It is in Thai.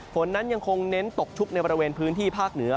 ฝนนั้นยังคงเน้นตกชุกในบริเวณพื้นที่ภาคเหนือ